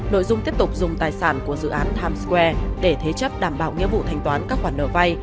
nội dung tiếp tục dùng tài sản của dự án times square để thế chấp đảm bảo nghĩa vụ thành toán các khoản nợ vai